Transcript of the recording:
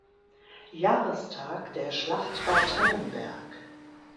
Jahrestag der Schlacht bei Tannenberg.